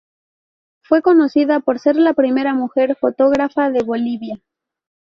Fue conocida por ser la primera mujer fotógrafa de Bolivia.